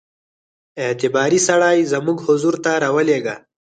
اعتباري سړی زموږ حضور ته را ولېږه.